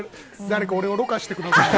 誰か、俺をろ過してください。